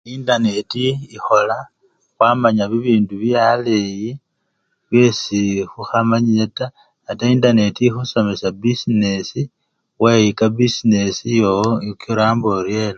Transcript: Entaneti ekhola khwamanya bibindu bye aleyi byesi khukhamanyile taa ate entaneti ekhusomesya businesi, weyika businesi yowo okiramba oryena.